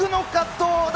どうだ？